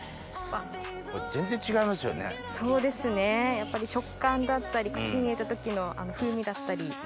やっぱり食感だったり口に入れた時の風味だったり。